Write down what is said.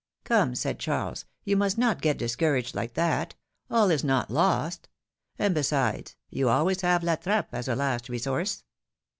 ^^Come,'^ said Charles; ^^you must not get discouraged like that! All is not lost! And, besides, you always have La Trappe as a last resource.